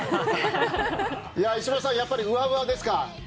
石橋さん、やっぱりウハウハですか？